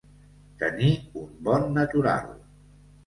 Tenir un bon natural.